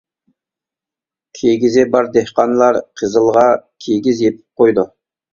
كىگىزى بار دېھقانلار قىزىلغا كىگىز يېپىپ قويىدۇ.